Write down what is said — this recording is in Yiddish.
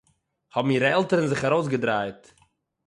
האָבן אירע עלטערן זיך אַרויסגעדרייט